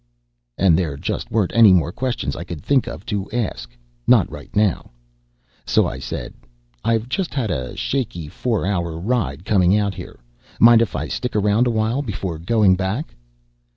And there just weren't any more questions I could think of to ask, not right now. So I said, "I've just had a shaky four hour ride coming out here. Mind if I stick around a while before going back?"